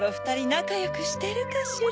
なかよくしてるかしら？